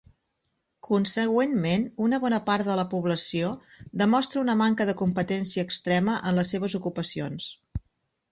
Consegüentment, una bona part de la població demostra una manca de competència extrema en les seves ocupacions.